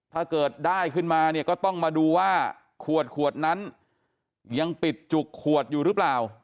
ถ้าเกิดได้ขึ้นมาเนี่ยก็ต้องมาดูว่าขวดขวดนั้นยังปิดจุกขวดอยู่หรือเปล่า